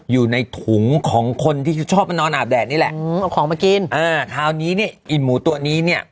อยู่ในถุงของคนที่ชอบมานอนอาบแดดนี่แหละเอาของมากินอ่าคราวนี้เนี่ยไอ้หมูตัวนี้เนี่ย